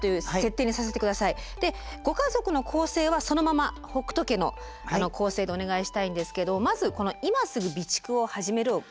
でご家族の構成はそのまま北斗家の構成でお願いしたいんですけどまずこの「今すぐ備蓄を始める！」をちょっとクリックして下さい。